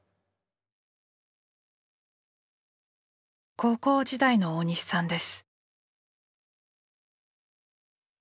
高校時代の大西さんです。